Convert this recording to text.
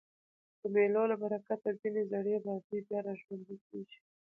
د مېلو له برکته ځیني زړې بازۍ بیا راژوندۍ کېږي.